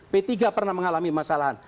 p tiga pernah mengalami masalahan